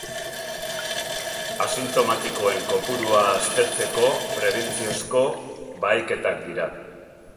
Asintomatikoen kopurua aztertzeko prebentziozko baheketak dira.